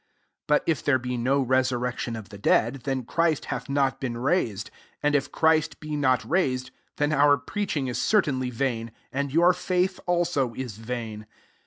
IS But if there be no resurrection of the dead, ^en Christ hath not been rais ed : 14 and if Christ be not raised, then our preaching it certiunly vain, [ana\ your faith also M vain.